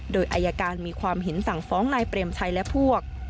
โดยอายการมีความเห็นสั่งฟ้องนายเปรมชัยและพวก